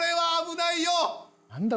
［何だ？